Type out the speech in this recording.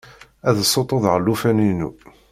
Ad ssuṭuḍeɣ llufan-inu.